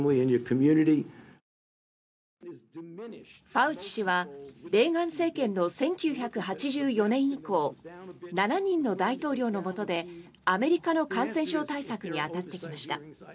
ファウチ氏はレーガン政権の１９８４年以降７人の大統領のもとでアメリカの感染症対策に当たってきました。